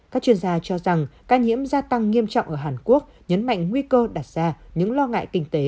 các chuyên gia cho rằng ca nhiễm gia tăng nghiêm trọng ở hàn quốc nhấn mạnh nguy cơ đặt ra những lo ngại kinh tế